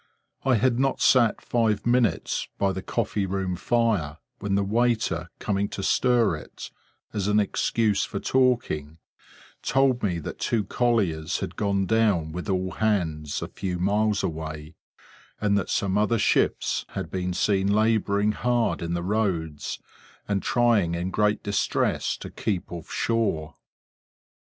I had not sat five minutes by the coffee room fire, when the waiter coming to stir it, as an excuse for talking, told me that two colliers had gone down, with all hands, a few miles away; and that some other ships had been seen laboring hard in the Roads, and trying in great distress, to keep off shore.